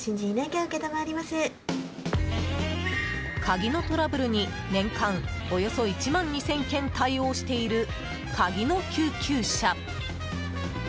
鍵のトラブルに年間およそ１万２０００件対応している、カギの救急車。